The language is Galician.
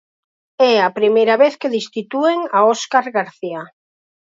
É a primeira vez que destitúen a Óscar García.